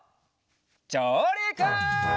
じょうりく！